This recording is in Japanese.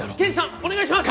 お願いします